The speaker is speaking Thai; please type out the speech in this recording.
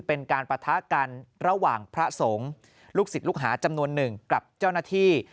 ปะทะกันระหว่างพระสงฆ์ลูกศิษย์ลูกหาจำนวนหนึ่งกับเจ้าหน้าที่